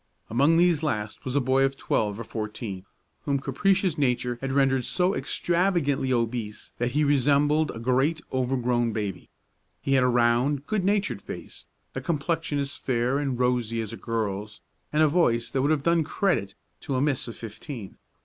Among these last was a boy of twelve or fourteen, whom capricious nature had rendered so extravagantly obese that he resembled a great, overgrown baby. He had a round, good natured face, a complexion as fair and rosy as a girl's, and a voice that would have done credit to a miss of fifteen.